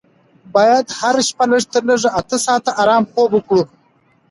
باید هره شپه لږ تر لږه اته ساعته ارامه خوب وکړو.